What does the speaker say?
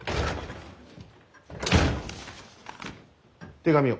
手紙を。